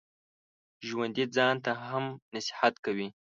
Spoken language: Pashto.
ژوندي ځان ته هم نصیحت کوي